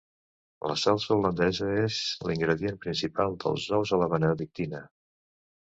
La salsa holandesa és l'ingredient principal dels ous a la benedictina.